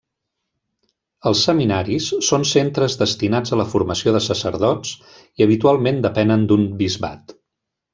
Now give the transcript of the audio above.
Els seminaris són centres destinats a la formació de sacerdots, i habitualment depenen d'un bisbat.